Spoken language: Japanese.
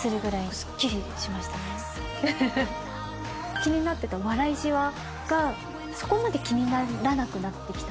気になってた笑いジワがそこまで気にならなくなって来た。